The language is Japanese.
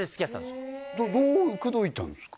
どう口説いたんですか？